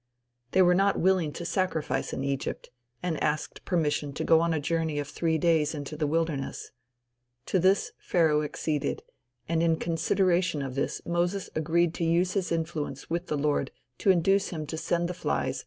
They were not willing to sacrifice in Egypt, and asked permission to go on a journey of three days into the wilderness. To this Pharaoh acceded, and in consideration of this Moses agreed to use his influence with the Lord to induce him to send the flies out of the country.